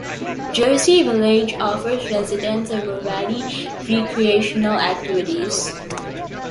Jersey Village offers residents a variety of recreational activities.